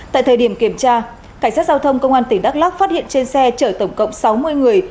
tại thời điểm kiểm tra cảnh sát giao thông công an tỉnh đắk lắc phát hiện trên xe chở tổng cộng sáu mươi người